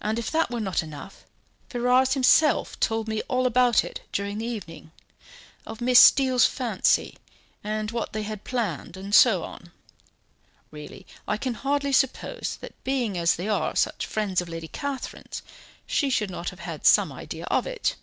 And if that were not enough, Ferrars himself told me all about it during the evening, of Miss Steele's fancy, and what they had planned, and so on. Really, I can hardly suppose that being as they are, such friends of Lady Catherine's, she should not have had some idea of it."